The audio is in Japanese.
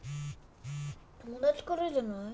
友達からじゃない？